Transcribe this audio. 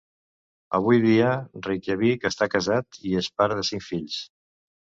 Avui dia, viu a Reykjavík, està casat i és pare de cinc fills.